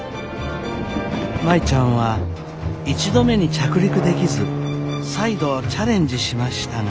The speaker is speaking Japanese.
舞ちゃんは１度目に着陸できず再度チャレンジしましたが。